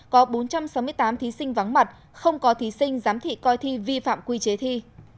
có bốn trăm sáu mươi tám thí sinh vắng mặt không có thí sinh giám thị coi thi vi phạm quy chế thi